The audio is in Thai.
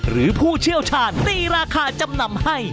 ผู้เชี่ยวชาญตีราคาจำนำให้